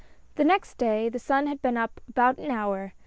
T he next day, the sun had been up about an hour.